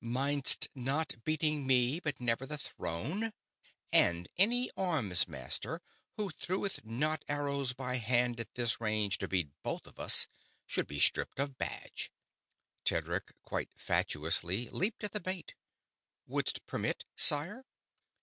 "Mindst not beating me but never the Throne? And any armsmaster who threwest not arrows by hand at this range to beat both of us should be stripped of badge?" Tedric, quite fatuously, leaped at the bait. "Wouldst permit, sire?"